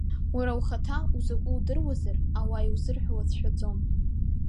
Уара ухаҭа узакәу удыруазар, ауаа иузырҳәо уацәшәаӡом.